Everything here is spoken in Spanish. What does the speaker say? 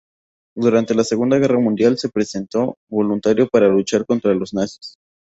Durante la Segunda Guerra Mundial se presentó voluntario para luchar contra los nazis.